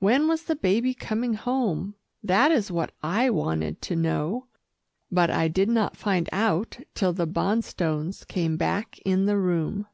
When was the baby coming home, that is what I wanted to know, but I did not find out till the Bonstones came back in the room.